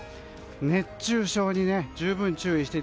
熱中症に十分注意して